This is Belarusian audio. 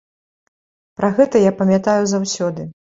Пра гэта я памятаю заўсёды.